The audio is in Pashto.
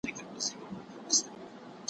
زه به سبا د درسونو يادوم!.